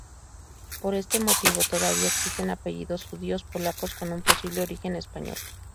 Por este motivo, todavía existen apellidos judíos polacos con un posible origen español.